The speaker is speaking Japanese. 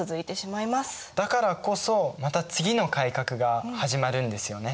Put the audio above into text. だからこそまた次の改革が始まるんですよね。